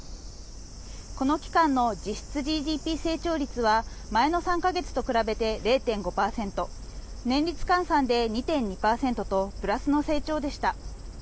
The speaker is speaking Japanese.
この期間の実質ＧＤＰ成長率は前の３か月と比べて０．５％年率換算で２．２％とプラスの成長でした。